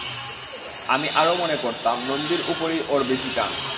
আমি আরো মনে করতাম, নন্দীর উপরেই ওর বেশি টান।